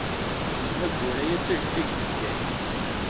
Yemma Guraya d tejeǧǧigt n Bgayet.